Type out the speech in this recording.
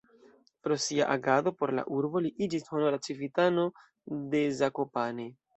Pro sia agado por la urbo li iĝis honora civitano de Zakopane.